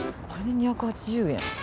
これで２８０円。